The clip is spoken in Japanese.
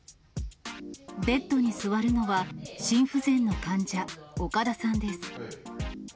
ベッドに座るのは、心不全の患者、岡田さんです。